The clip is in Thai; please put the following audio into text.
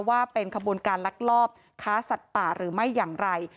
ว่าเป็นขบวนการลักลอบค้าสัตว์ป่าหรือไม่อย่างไร